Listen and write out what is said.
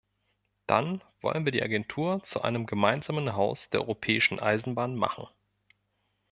Dann wollen wir die Agentur zu einem gemeinsamen Haus der europäischen Eisenbahn machen.